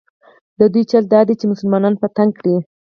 د دوی چل دا دی چې مسلمانان په تنګ کړي.